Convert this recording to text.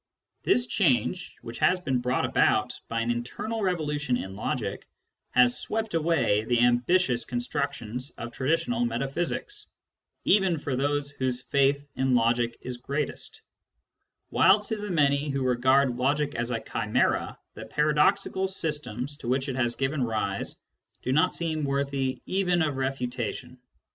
This change, which has been brought about by an internal revolution in logic, has swept away the ambitious constructions of traditional metaphysics, even for those whose faith in logic is greatest ; while to the many who regard logic as a chimera the paradoxical systems to which it has given rise do not seem worthy even of refutation.